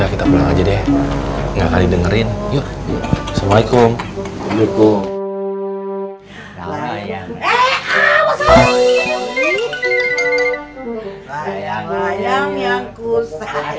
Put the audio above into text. kita pulang aja deh gak di dengerin yuk assalamualaikum